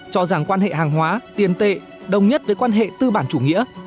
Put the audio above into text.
cho rằng quan hệ hàng hóa tiền tệ đồng nhất với quan hệ tư bản chủ nghĩa